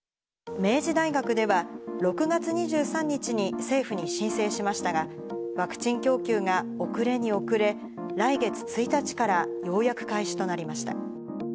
明治大学では、６月２３日に、政府に申請しましたが、ワクチン供給が遅れに遅れ、来月１日からようやく開始となりました。